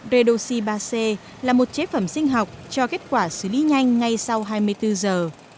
redoxi ba c là một chế phẩm sinh học cho kết quả xử lý nhanh ngay sau hai mươi bốn giờ